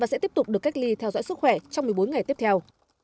sẽ tiếp tục được cách ly theo dõi sức khỏe trong một mươi bốn ngày tiếp theo